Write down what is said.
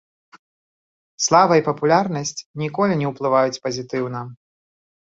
Слава і папулярнасць ніколі не ўплываюць пазітыўна.